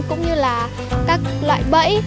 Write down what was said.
cũng như là các loại bẫy